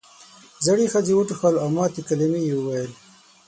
زړې ښځې وټوخل او ماتې کلمې یې وویل.